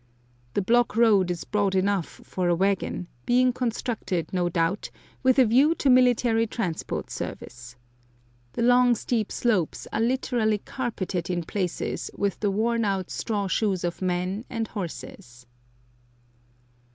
The block road is broad enough for a wagon, being constructed, no doubt, with a view to military transport service. The long steep slopes are literally carpeted in places with the worn out straw shoes of men and horses.